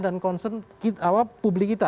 dan concern publik kita